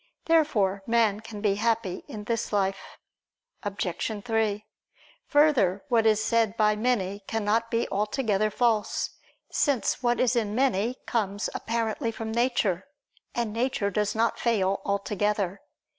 Therefore man can be happy in this life. Obj. 3: Further, what is said by many cannot be altogether false: since what is in many, comes, apparently, from nature; and nature does not fail altogether.